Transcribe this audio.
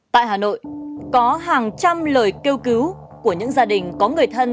tại hà nội có hàng trăm lời kêu cứu của những gia đình có người thân